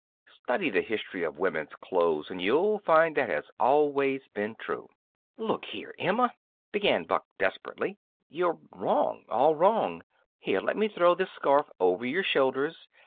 Study the history of women's clothes, and you'll find that has always been true." "Look here, Emma," began Buck, desperately; "you're wrong, all wrong! Here, let me throw this scarf over your shoulders.